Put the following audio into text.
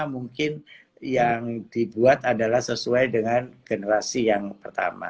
mungkin yang dibuat adalah sesuai dengan generasi yang pertama